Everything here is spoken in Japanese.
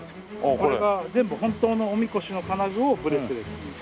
これが全部本当のおみこしの金具をブレスレットにして。